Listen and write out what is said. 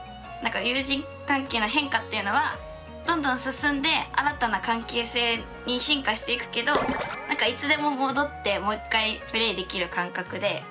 友人関係の変化っていうのはどんどん進んで新たな関係性に進化していくけどいつでも戻ってもう一回プレーできる感覚で。